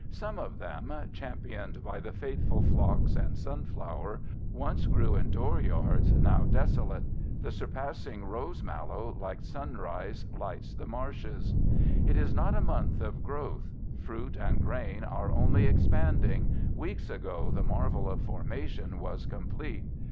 Some of them, companioned by the faithful phlox and sunflower, once grew in dooryards now desolate. The surpassing rose mallow like sunrise lights the marshes. It is not a month of growth. Fruit and grain are only expanding—weeks ago the marvel of formation was complete.